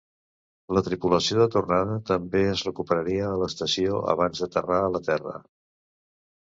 La tripulació de tornada també es recuperaria a l'estació abans d'aterrar a la Terra.